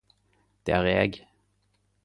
Det er eg